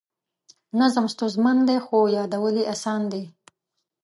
نظم ستونزمن دی خو یادول یې اسان دي.